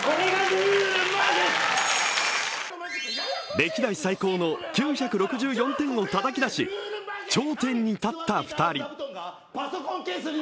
歴代最高の９６４点をたたき出し、頂点に立った２人。